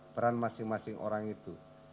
peran masing masing orang itu